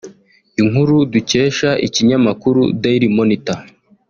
Inkuru dukesha ikinyamakuru Daily Monitor